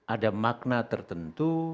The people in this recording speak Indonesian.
ada makna tertentu